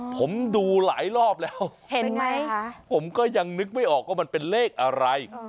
ผมดูหลายรอบแล้วเห็นไหมผมก็ยังนึกไม่ออกว่ามันเป็นเลขอะไร